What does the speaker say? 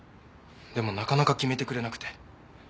でもなかなか決めてくれなくて。